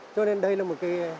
cho nên đây là một cái